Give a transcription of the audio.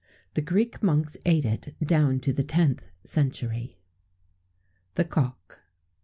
The Greek monks ate it down to the 10th century. THE COCK.